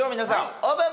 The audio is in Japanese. オープン！